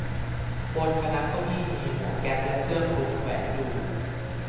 บนพนักเก้าอี้มีหมวกแก๊ปและเสื้อคลุมแขวนอยู่